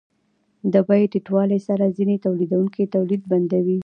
د بیې ټیټوالي سره ځینې تولیدونکي تولید بندوي